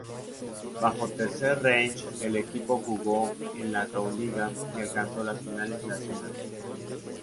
Bajo Tercer Reich el equipo jugó en la Gauliga y alcanzó las finales nacionales.